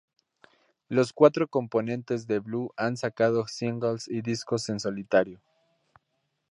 Los cuatro componentes de Blue han sacado singles y discos en solitario.